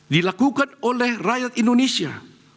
dilakukan oleh rakyat indonesia